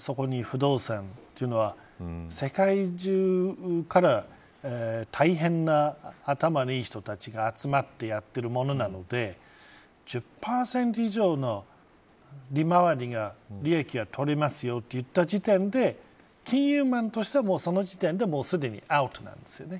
そこに不動産というのは世界中から大変頭のいい人たちが集まってやっているものなので１０％以上の利回りが利益がとりますよといった時点で金融マンとしてはその時点ですでにアウトなんですよね。